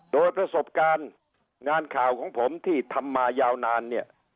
โดยประสบการณ์งานข่าวของผมที่ทำมายาวนานเนี่ย